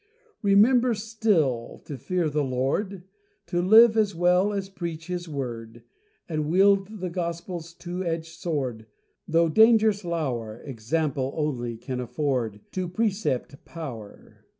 Remember still to fear the Lord, To live, as well as preach, His word, And wield the Gospel's two edged sword, Though dangers lower Example only can afford To precept power.